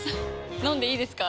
飲んでいいですか？